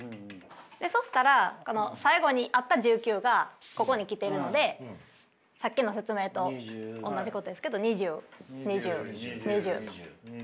そしたら最後にあった１９がここに来ているのでさっきの説明とおんなじことですけど２０２０２０と。